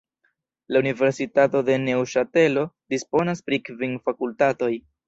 La universitato de Neŭŝatelo disponas pri kvin fakultatoj.